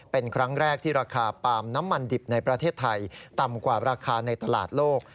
เป็นครั้งแรกที่ราคาปาล์มน้ำมันดิบในประเทศไทยต่ำกว่าราคาในตลาดโลก